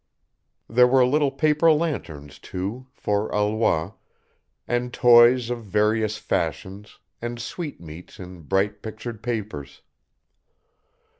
There were little paper lanterns, too, for Alois, and toys of various fashions and sweetmeats in bright pictured papers.